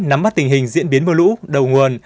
nắm bắt tình hình diễn biến mưa lũ đầu nguồn